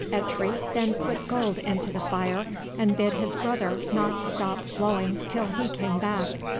Eitri then put gold into the fire, and bid his brother not stop blowing till he came back.